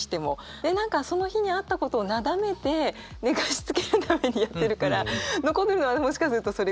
で何かその日にあったことをなだめて寝かしつけるためにやってるから残るのはもしかするとそれぐらいで。